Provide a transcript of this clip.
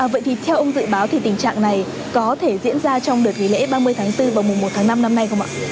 vậy thì theo ông dự báo thì tình trạng này có thể diễn ra trong đợt nghỉ lễ ba mươi tháng bốn và mùa một tháng năm năm nay không ạ